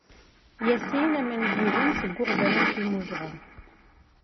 Yasin, aman i d-yugem, seg uɣbalu n timuzɣa.